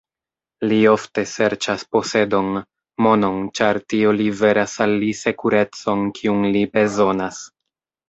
Li ofte serĉas posedon, monon ĉar tio liveras al li sekurecon kiun li bezonas.